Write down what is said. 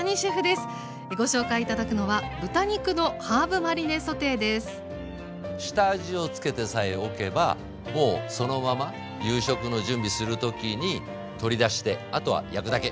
ご紹介頂くのは下味をつけてさえおけばもうそのまま夕食の準備する時に取り出してあとは焼くだけ。